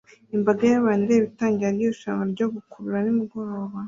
Imbaga y'abantu ireba itangira ryirushanwa ryo gukurura nimugoroba